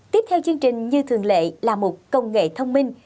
tiếp theo chương trình như thường lệ là mục công nghệ thông minh